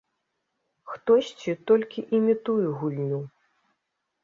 Хтосьці толькі імітуе гульню.